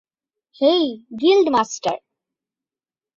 Hey, guild master!